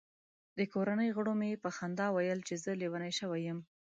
د کورنۍ غړو مې په خندا ویل چې زه لیونی شوی یم.